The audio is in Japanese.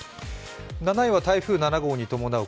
７位は台風７号に伴う